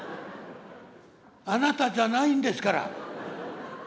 あなたじゃないんですから。